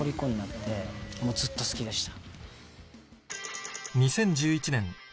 もうずっと好きでした。